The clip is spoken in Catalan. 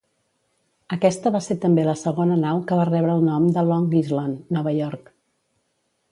Aquesta va ser també la segona nau que va rebre el nom de Long Island, Nova York.